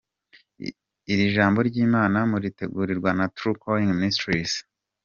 Iri jambo ry’Imana muritegurirwa na True Calling Ministries.